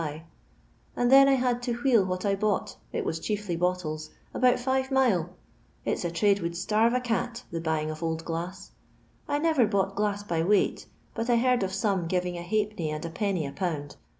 by; and then I had to wheel bought — ^it was chiefly bottles — about fiye It'f a trade would starve a cat, the buying |1as8. I never bought glau by weight, but leard of some giving a hal^nny and a a pound.